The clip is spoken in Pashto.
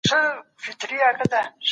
هوا او چاپیریال اخلاق ټاکي.